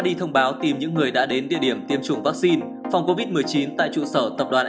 đông anh một ca